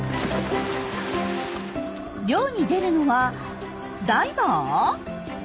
漁に出るのはダイバー？